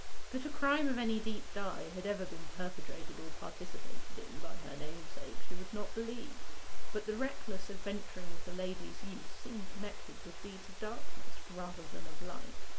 That a crime of any deep dye had ever been perpetrated or participated in by her namesake, she would not believe; but the reckless adventuring of the lady's youth seemed connected with deeds of darkness rather than of light.